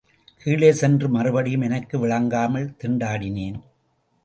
கீழே சென்று மறுபடியும் எனக்கு விளங்காமல் திண்டாடினேன்.